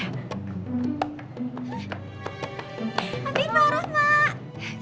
ampi paruh mak